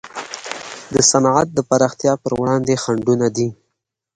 د صنعت د پراختیا پر وړاندې خنډونه دي.